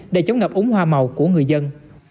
để chống ngập ống hoa màu của người dân